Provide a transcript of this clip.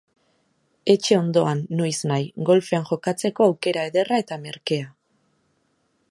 Etxe ondoan, noiznahi, golfean jokatzeko aukera ederra eta merkea.